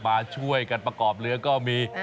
มาช่วยกันประกอบเรือก็มี